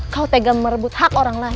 kau tega merebut hak orang lain